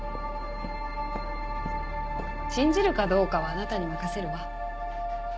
信じるかどうかはあなたに任せるわ。